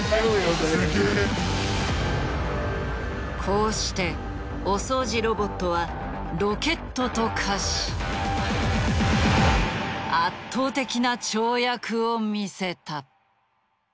こうしてお掃除ロボットはロケットと化し圧倒的な跳躍を見せた。